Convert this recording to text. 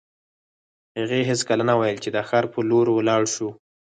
هغې هېڅکله نه ویل چې د ښار په لور ولاړ شو